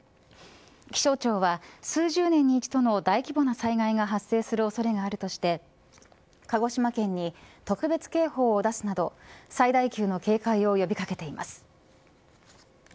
気象庁は数十年に一度の大規模な災害が発生する恐れがあるとして鹿児島県に特別警報を出すなど最大級の警戒を呼び掛けています。